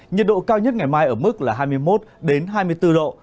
nhiệt độ cao nhất ngày mai ở mức là hai mươi một hai mươi bốn độ